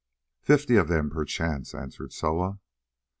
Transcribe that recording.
"Fifty of them perchance," answered Soa.